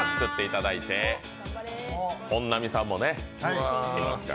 本並さんもいますから。